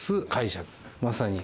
まさに。